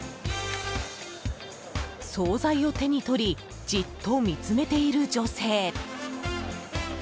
総菜を手に取りじっと見つめている女性。